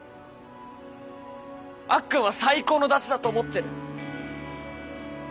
アッくんは最高のダチだと思ってる。